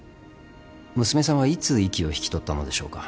娘さんはいつ息を引き取ったのでしょうか。